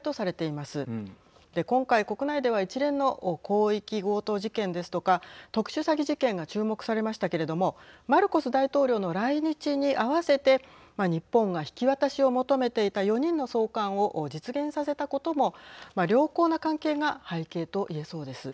で、今回、国内では一連の広域強盗事件ですとか特殊詐欺事件が注目されましたけれどもマルコス大統領の来日に合わせて日本が引き渡しを求めていた４人の送還を実現させたことも良好な関係が背景と言えそうです。